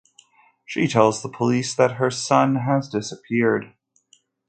She tells the police that her son has disappeared.